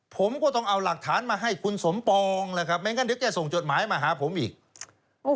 ผมก็ต้องเอาหลักฐานมาให้คุณสมปองแล้วครับไม่งั้นเดี๋ยวแกส่งจดหมายมาหาผมอีก